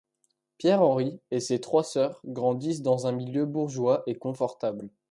Pierre Henri et ses trois sœurs grandissent dans un milieu bourgeois et confortable.